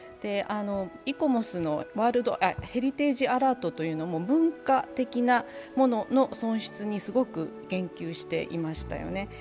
イコモスのヘリテージアラートというのも、文化的なものの損失にすごく言及していましたよね。